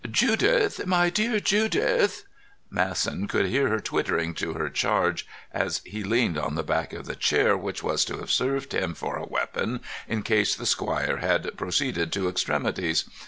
"Judith, my dear, Judith!" Masson could hear her twittering to her charge as he leaned on the back of the chair which was to have served him for a weapon in case the squire had proceeded to extremities.